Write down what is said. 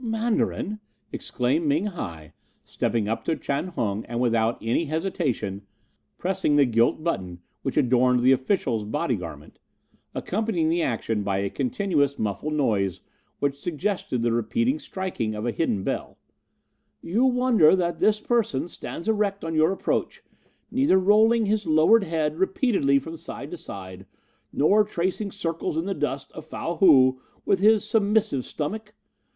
"'Mandarin,' exclaimed Ming hi, stepping up to Chan Hung, and, without any hesitation, pressing the gilt button which adorned the official's body garment, accompanying the action by a continuous muffled noise which suggested the repeated striking of a hidden bell, 'you wonder that this person stands erect on your approach, neither rolling his lowered head repeatedly from side to side, nor tracing circles in the dust of Fow Hou with his submissive stomach?